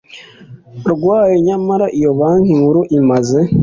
rwayo nyamara iyo banki nkuru imaze